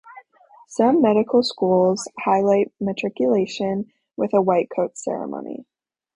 Some medical schools highlight matriculation with a white coat ceremony.